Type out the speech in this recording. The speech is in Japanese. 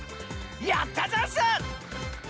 やったざんす！